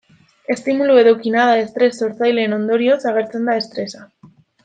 Estimulu edo kinada estres sortzaileen ondorioz agertzen da estresa.